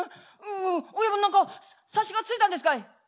親分何か察しがついたんですかい？」。